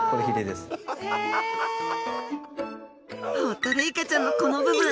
ホタルイカちゃんのこの部分。